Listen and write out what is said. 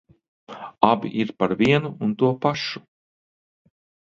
Abi ir par vienu un to pašu.